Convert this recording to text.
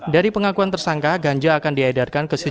dari pengakuan tersangka ganja akan diedarkan ke sejumlah